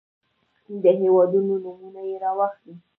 د هېوادونو نومونه يې واخلئ.